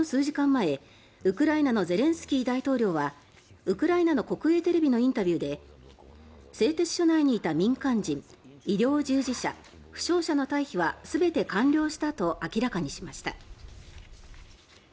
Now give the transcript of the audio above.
前ウクライナのゼレンスキー大統領はウクライナの国営テレビのインタビューで製鉄所内にいた民間人医療従事者、負傷者の退避は全て完了したと明らかにしました。